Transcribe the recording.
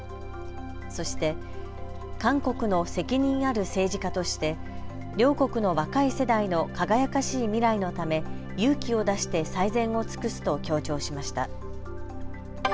そして韓国の責任ある政治家として両国の若い世代の輝かしい未来のため勇気を出して最善を尽くすと強調しました。